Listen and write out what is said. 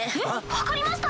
分かりました。